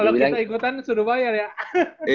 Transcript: biasa disuruh bayar ya